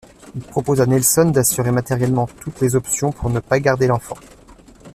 Il propose à Nelson d'assurer matériellement toutes les options pour ne pas garder l'enfant.